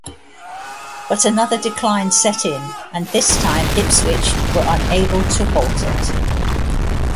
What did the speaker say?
But another decline set in, and this time Ipswich were unable to halt it.